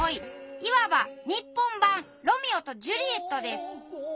いわば日本版ロミオとジュリエットです！